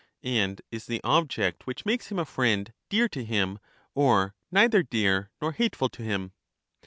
And is the object which makes him a friend dear to him, or neither dear nor hateful to him?